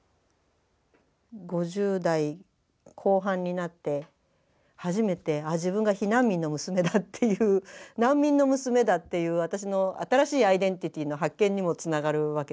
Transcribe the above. ５０代後半になって初めて「あっ自分が避難民の娘だ」っていう難民の娘だっていう私の新しいアイデンティティーの発見にもつながるわけですよね。